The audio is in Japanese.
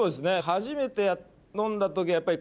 初めて飲んだ時はやっぱり。